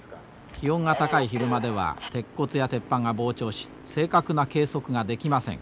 気温が高い昼間では鉄骨や鉄板が膨張し正確な計測ができません。